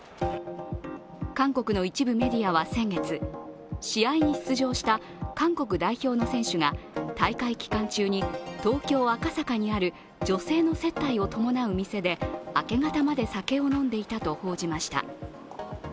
韓国の一部メディアは先月、試合に出場した韓国代表の選手が大会期間中に東京・赤坂にある女性の接待を伴う店で明け方まで酒を飲んでいたと報じました。